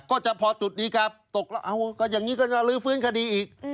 ก็จะพอจุดดีกาตกแล้วเอาก็อย่างนี้ก็จะลื้อฟื้นคดีอีก